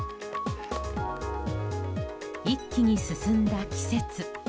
一気に進んだ季節。